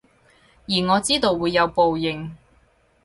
而我知道會有報應